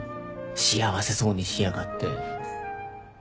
幸せそうにしやがって。